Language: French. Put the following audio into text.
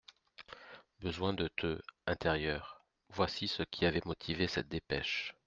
Besoin de te »_Intérieur._» Voici ce qui avait motivé cette dépêche.